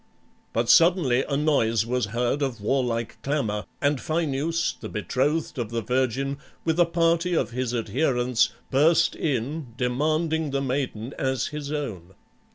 But suddenly a noise was heard of warlike clamor, and Phineus, the betrothed of the virgin, with a party of his adherents, burst in, demanding the maiden as his own.